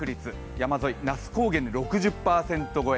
山沿い那須高原で６０％超え